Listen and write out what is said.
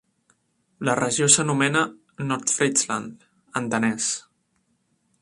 La regió s'anomena "Nordfrisland" en danès.